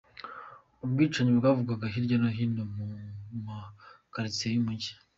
Ubwicanyi bwavugwaga hirya no hino mu maquartiers y’umujyi.